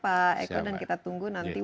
pak eko dan kita tunggu nanti